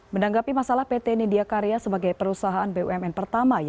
menanggapi masalah pt nindya karya sebagai perusahaan bumn pertama